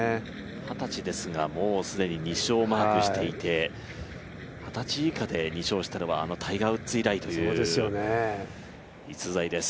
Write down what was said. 二十歳ですが、もう既に２勝マークしていて二十歳以下で２勝したのはあのタイガー・ウッズ以来という逸材です。